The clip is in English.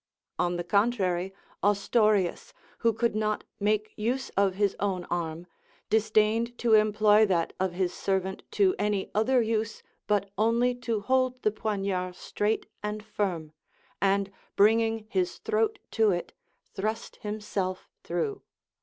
On the contrary, Ostorius, who could not make use of his own arm, disdained to employ that of his servant to any other use but only to hold the poniard straight and firm; and bringing his throat to it, thrust himself through.